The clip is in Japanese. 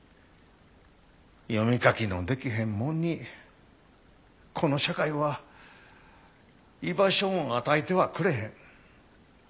読み書きのできへん者にこの社会は居場所を与えてはくれへん。